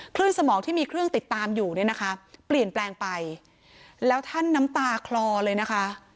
สมองที่มีเครื่องติดตามอยู่เนี่ยนะคะเปลี่ยนแปลงไปแล้วท่านน้ำตาคลอเลยนะคะ